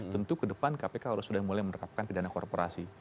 tentu ke depan kpk sudah mulai merekapkan pidana korporasi